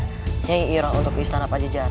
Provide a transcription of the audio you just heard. saya ingin ke istana panjajaran